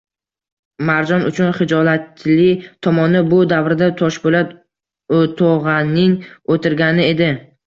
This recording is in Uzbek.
Marjon uchun xijolatli tomoni bu davrada Toshpo‘lat o‘tog‘aning o‘tirgani edi